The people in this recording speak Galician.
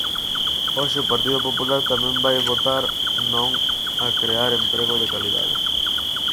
Hoxe o Partido Popular tamén vai votar non a crear emprego de calidade.